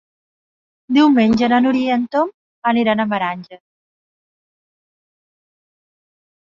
Diumenge na Núria i en Tom aniran a Meranges.